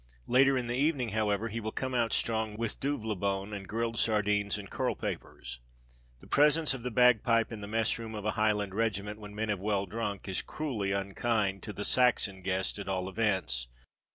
Later in the evening, however, he will come out strong with duvlebone, and grilled sardines in curlpapers. The presence of the bagpipes, in the mess room of a Highland regiment, when men have well drunk, is cruelly unkind to the Saxon guest at all events.